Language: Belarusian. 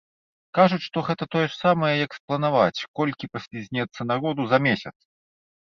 Кажуць, што гэта тое ж самае, як спланаваць, колькі паслізнецца народу за месяц!